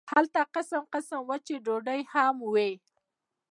هلته قسم قسم وچې ډوډۍ هم وې.